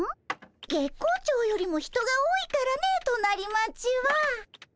月光町よりも人が多いからね隣町は。